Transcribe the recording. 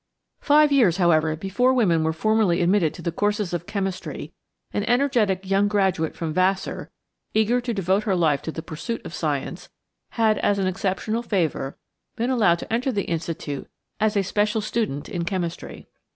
Five years, however, before women were formally admitted to the courses of chemistry an energetic young graduate from Vassar, eager to devote her life to the pursuit of science, had, as an exceptional favor, been allowed to enter the Institute as a special student in chemistry.